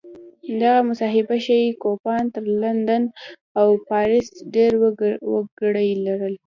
دغه محاسبه ښيي کوپان تر لندن او پاریس ډېر وګړي لرل.